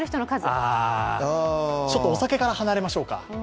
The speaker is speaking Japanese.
あ、ちょっとお酒から離れましょうか。